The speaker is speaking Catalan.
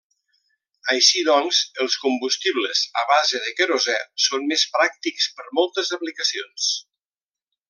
Així doncs, els combustibles a base de querosè són més pràctics per moltes aplicacions.